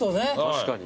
確かに。